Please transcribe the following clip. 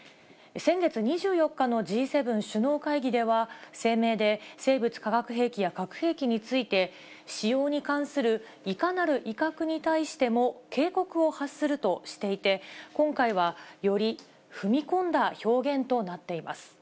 先月２４日のＧ７首脳会議では、声明で生物・化学兵器や核兵器について、使用に関する、いかなる威嚇に対しても、警告を発するとしていて、今回は、より踏み込んだ表現となっています。